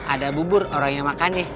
ada bubur orangnya makan ya